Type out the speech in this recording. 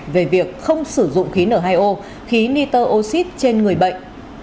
về việc không sử dụng khí n hai o khí nitroxid trên người bệnh